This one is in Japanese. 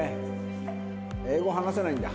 英語話せないんだ？